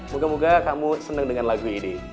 moga moga kamu senang dengan lagu ini